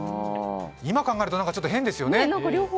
今考えると、ちょっと変ですよね。